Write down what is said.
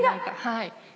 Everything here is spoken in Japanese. はい。